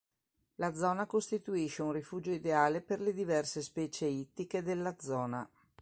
La zona costituisce un rifugio ideale per le diverse specie ittiche della zona.